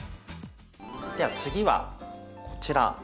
では次はこちら。